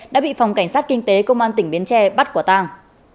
đã bị phòng cảnh sát kinh tế công an tỉnh bến tre bắt quả tàng